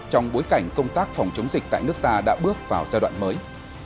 trong bối cảnh công tác phòng chống dịch tại nước ta đã bước vào giai đoạn mới